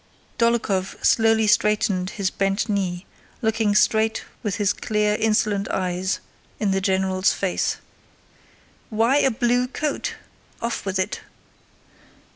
Dólokhov slowly straightened his bent knee, looking straight with his clear, insolent eyes in the general's face. "Why a blue coat? Off with it...